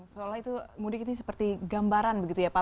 soalnya itu mudik itu seperti gambaran begitu ya pak